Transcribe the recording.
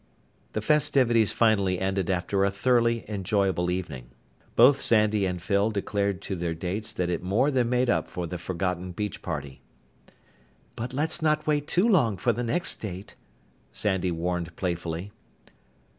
The festivities finally ended after a thoroughly enjoyable evening. Both Sandy and Phyl declared to their dates that it more than made up for the forgotten beach party. "But let's not wait too long for the next date," Sandy warned playfully.